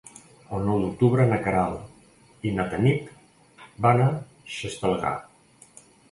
El nou d'octubre na Queralt i na Tanit van a Xestalgar.